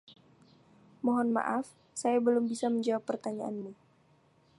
Mohon maaf, saya belum bisa menjawab pertanyaanmu.